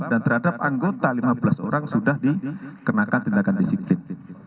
dan terhadap anggota lima belas orang sudah dikenakan tindakan disiksin